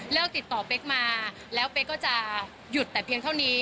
ติดต่อเป๊กมาแล้วเป๊กก็จะหยุดแต่เพียงเท่านี้